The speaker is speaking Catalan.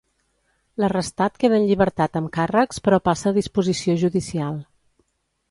L'arrestat queda en llibertat amb càrrecs però passa a disposició judicial.